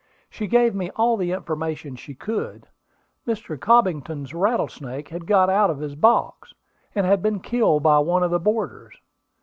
She gave me all the information she could. Mr. Cobbington's rattlesnake had got out of his box, and had been killed by one of the boarders.